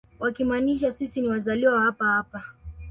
Wakimaanisha sisi ni wazaliwa wa hapa hapa